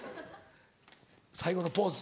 最後のポーズ。